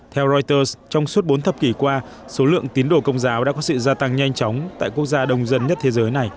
theo reuters trong suốt bốn thập kỷ qua số lượng tín đồ công giáo đã có sự gia tăng nhanh chóng tại quốc gia đông dân nhất thế giới này